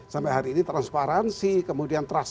sampai hari ini transparansi kemudian trust